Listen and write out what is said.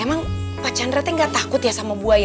emang pak chandra tuh gak takut ya sama buaya